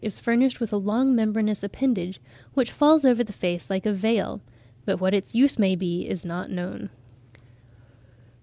is furnished with "a long membranous appendage, which falls over the face like a veil;" but what its use may be, is not known.